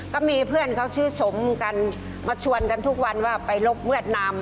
ก็มีเพื่อนเขาชื่อสมกันมาชวนกันทุกวันว่าไปลบเวียดนาม